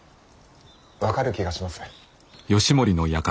分かる気がします。